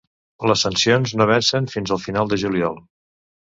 Les sancions no vencen fins a final de juliol.